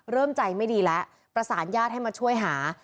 เริ่มใจไม่ดีแล้วประสานญาติให้มาช่วยหา